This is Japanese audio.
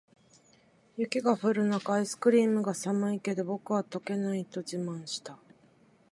雪が降る中、アイスクリームが「寒いけど、僕は溶けない！」と自慢した。